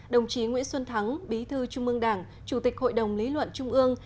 đồng chí nguyễn xuân thắng bí thư trung ương đảng chủ tịch hội đồng lý luận trung ương